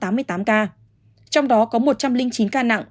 trong đó có một trăm linh chín ca nặng